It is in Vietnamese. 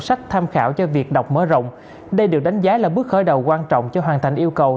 sách tham khảo cho việc đọc mở rộng đây được đánh giá là bước khởi đầu quan trọng cho hoàn thành yêu cầu